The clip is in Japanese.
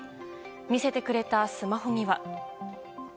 見せてくれたスマホには。